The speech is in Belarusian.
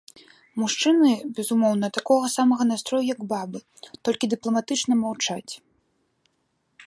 Мужчыны, безумоўна, такога самага настрою, як бабы, толькі дыпламатычна маўчаць.